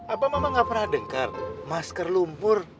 apa mama gak pernah dengar masker lumpur